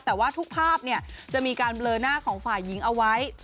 แต่ว่าทุกภาพจะมีการเบลอหน้าของฝ่ายหญิงเอาไว้